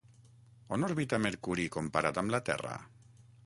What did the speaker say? On orbita Mercuri comparat amb la terra?